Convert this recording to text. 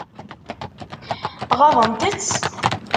Ɣaḍent-tt?